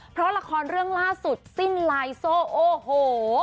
เพราะละครเรื่องล่าสุดสิ้นลายโซ่โอ้โห